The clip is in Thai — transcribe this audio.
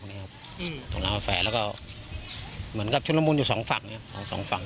ตรงร้านกาแฟแล้วก็เหมือนกับชุดละมุนอยู่สองฝั่งเนี่ยของสองฝั่ง